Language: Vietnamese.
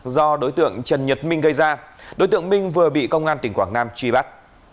do đối tượng trần nhật minh gây ra đối tượng minh vừa bị công an tỉnh quảng nam truy bắt